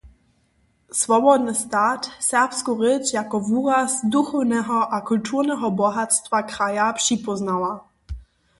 Swobodny stat serbsku rěč jako wuraz duchowneho a kulturneho bohatstwa kraja připóznawa.